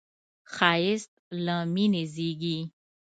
ښایست له مینې زېږي